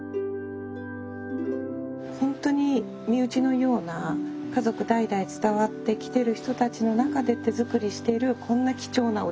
ホントに身内のような家族代々伝わってきてる人たちの中で手づくりしてるこんな貴重なお茶っていうのが。